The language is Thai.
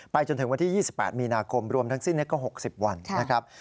จนถึงวันที่๒๘มีนาคมรวมทั้งสิ้นก็๖๐วันนะครับ